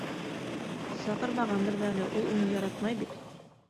Саҡырмағандыр ҙа әле, ул уны яратмай бит.